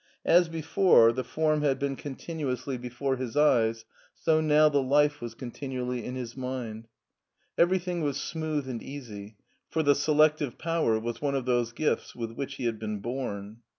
As before the form had been continuously 3(H MARTIN SCHULER before his eyes, so now the life was continually in his mind. Everything was smooth and easy, for the selective power was one of those gifts with which he had been born.